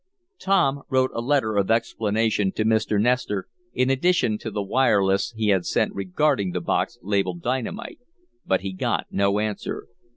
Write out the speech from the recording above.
Tom wrote a letter of explanation to Mr. Nestor, in addition to the wireless he had sent regarding the box labeled dynamite, but he got no answer.